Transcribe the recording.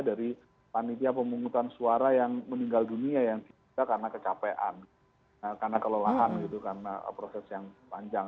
dari panitia pemungutan suara yang meninggal dunia yang diduga karena kecapean karena kelelahan gitu karena proses yang panjang